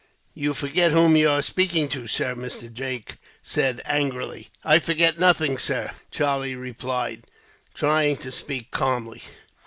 "You forget whom you are speaking to, sir," Mr. Drake said, angrily. "I forgot nothing, sir," Charlie replied, trying to speak calmly.